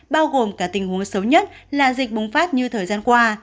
bao gồm cả tình huống xấu nhất là dịch bùng phát như thời gian qua